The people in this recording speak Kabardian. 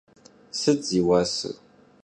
Sıt zi vuaser?